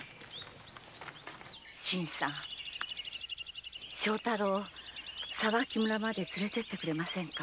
新さん庄太郎を沢木村まで連れていってもらえませんか？